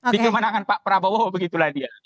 di kemenangan pak prabowo begitulah dia